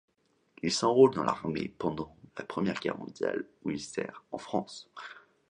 Il s'enrôle dans l'armée pendant la Première Guerre mondiale où il sert en France.